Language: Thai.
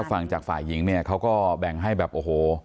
ฟังจากฝ่ายหญิงเนี่ยเขาก็แบ่งให้แบบโอ้โห